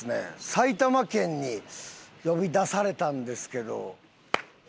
埼玉県に呼び出されたんですけど。